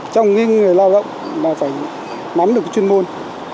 trong người lao động là phải nắm được chuyên môn